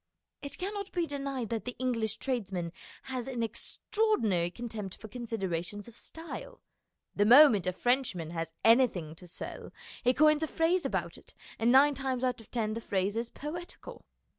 It cannot be denied that the English tradesman has an extraordinary contempt for considerations of style. The moment a Frenchman has any 266 MONOLOGUES thing to sell he coins a phrase about it, and nine times out of ten the phrase is poetical.